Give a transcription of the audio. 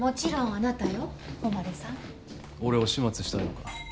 俺を始末したいのか？